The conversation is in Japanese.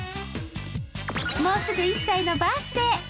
もうすぐ１歳のバースデー。